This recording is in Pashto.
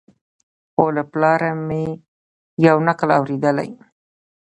خو له پلاره مي یو نکل اورېدلی